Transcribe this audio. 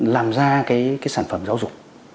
làm ra cái sản phẩm giáo dục